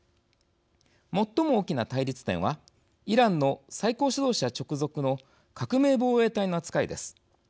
最も大きな対立点はイランの最高指導者直属の「革命防衛隊」の扱いです。